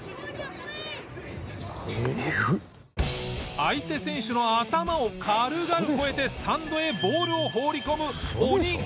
相手選手の頭を軽々越えてスタンドへボールを放り込む鬼肩！